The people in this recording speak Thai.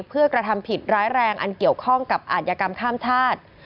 เพื่อกระทำผิดร้ายแรงอันเกี่ยวข้องกับอาจยกรรมข้ามชาติ